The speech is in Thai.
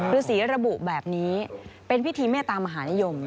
ฤษีระบุแบบนี้เป็นพิธีเมตตามหานิยม